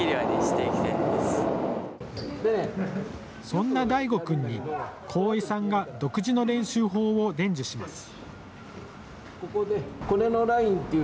そんな大護君に鴻井さんが独自の練習法を伝授します。